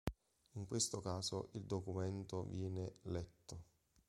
In questo caso il documento viene "letto".